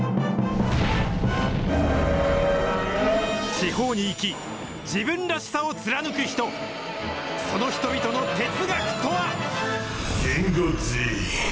地方に生き、自分らしさを貫く人、その人々の哲学とは。